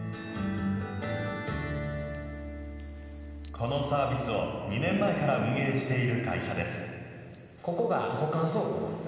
このサービスを２年前から運営している会社です。